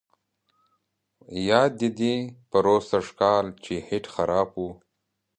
یاد دي دي پروسږ کال چې هیټ خراب وو.